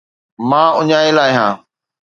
مان اڃايل آهيان